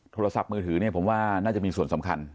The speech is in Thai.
โทรศัพท์มือถือเนี่ยผมว่าน่าจะมีส่วนสำคัญ